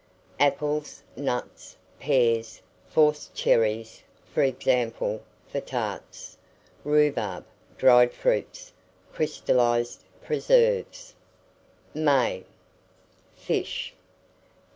Apples, nuts, pears, forced cherries, &e. for tarts, rhubarb, dried fruits, crystallized preserves. MAY. FISH.